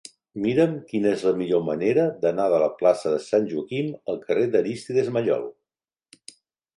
Mira'm quina és la millor manera d'anar de la plaça de Sant Joaquim al carrer d'Arístides Maillol.